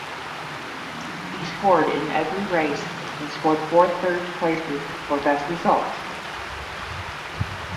He scored in every race and scored four third places for best results.